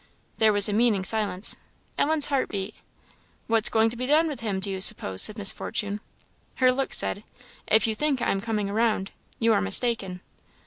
There was a meaning silence. Ellen's heart beat. "What's going to be done with him, do you suppose?" said Miss Fortune. Her look said, "If you think I am coming round, you are mistaken."